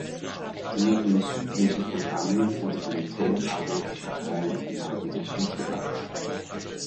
Sie liegt in Süd-Mesopotamien unter dem "Tell Abu-Schahrein" im heutigen Süd-Irak.